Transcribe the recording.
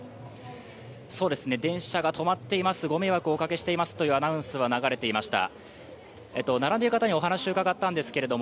電車が止まっています、ご迷惑をしていますというアナウンスは流れていました。